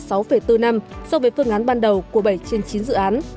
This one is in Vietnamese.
so với phương án ban đầu của bảy trên chín dự án